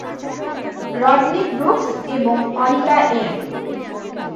Rodney Brooks এবং Anita M.